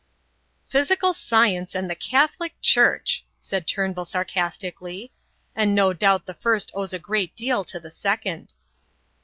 "Physical science and the Catholic Church!" said Turnbull sarcastically; "and no doubt the first owes a great deal to the second."